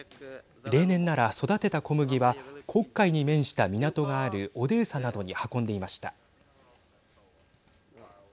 例年なら、育てた小麦は黒海に面した港があるオデーサなどに運んでいました。